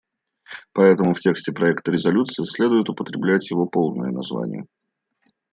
Поэтому в тексте проекта резолюции следует употреблять его полное название.